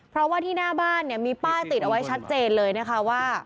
เพราะว่าที่หน้าบ้านเนี่ยมีป้ายติดเอาไว้ชัดเจนเลยนะคะว่า